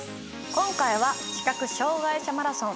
今回は視覚障害者マラソン。